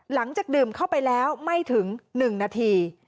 หลังจากดื่มเข้าไปแล้วไม่ถึง๑นาที